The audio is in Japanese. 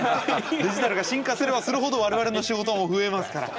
デジタルが進化すればするほど我々の仕事も増えますから。